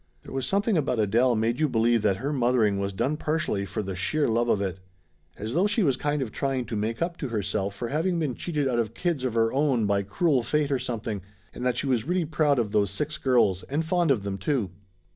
There was something about Adele made you believe that her mothering was done partially for the sheer love of it. As though she was kind of trying to make up to herself for having been cheated out of kids of her own by cruel fate or something, and that she was really proud of those six girls, and fond of them too.